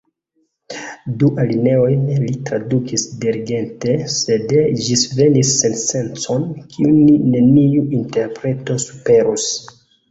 Du alineojn li tradukis diligente, sed ĝisvenis sensencon kiun neniu interpreto superus.